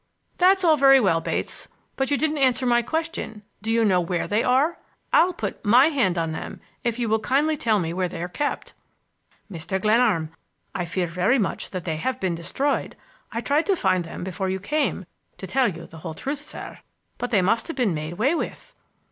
"That's all very well, Bates, but you didn't answer my question. Do you know where they are? I'll put my hand on them if you will kindly tell me where they're kept." "Mr. Glenarm, I fear very much that they have been destroyed. I tried to find them before you came, to tell you the whole truth, sir; but they must have been made 'way with."